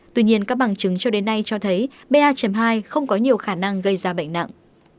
tuy nhiên các bằng chứng cho đến nay cho thấy ba hai không có nhiều khả năng gây ra bệnh nặng